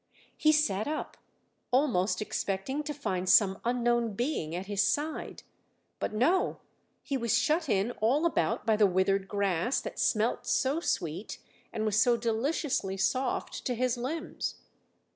He sat up, almost expecting to find some unknown being at his side; but no he was shut in all about by the withered grass that smelt so sweet and was so deliciously soft to his limbs.